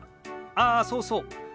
ああそうそう。